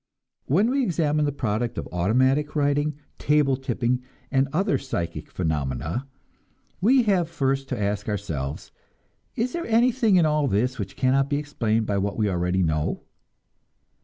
When we examine the product of automatic writing, table tipping, and other psychic phenomena, we have first to ask ourselves, Is there anything in all this which cannot be explained by what we already know?